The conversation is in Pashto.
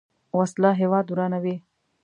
وسله هیواد ورانوي